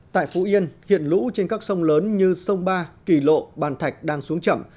tại phú yên hiện lũ trên các sông lớn như sông ba kỳ lộ bàn thạch đang xuống chậm